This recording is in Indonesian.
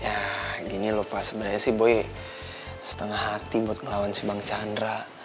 ya gini lho pak sebenernya sih boy setengah hati buat ngelawan si bang chandra